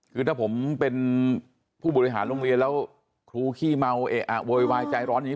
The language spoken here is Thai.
คือถ้าผมเป็นผู้บริหารโรงเรียนแล้วครูขี้เมาเอะอะโวยวายใจร้อนอย่างนี้